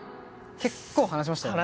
結構話しましたよね。